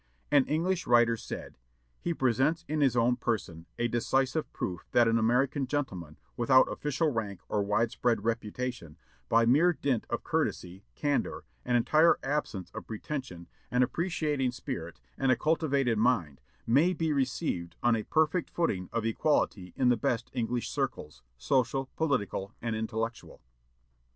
An English writer said: "He presents in his own person a decisive proof that an American gentleman, without official rank or widespread reputation, by mere dint of courtesy, candor, an entire absence of pretension, an appreciating spirit, and a cultivated mind, may be received on a perfect footing of equality in the best English circles, social, political, and intellectual."